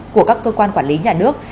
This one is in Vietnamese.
của các cơ quan quản lý nhà nước